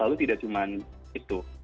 lalu tidak cuma itu